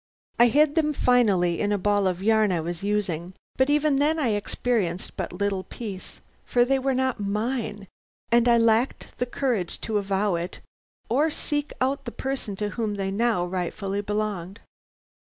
I hid them finally in a ball of yarn I was using, but even then I experienced but little peace, for they were not mine, and I lacked the courage to avow it or seek out the person to whom they now rightfully belonged.